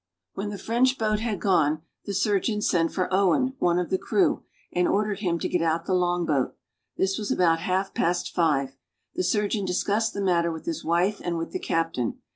When the French boat had gone, the surgeon sent for Owen, one of the crew, and ordered him to get out the long boat. This was about half past five. The surgeon discussed the matter with his wife and with the captain.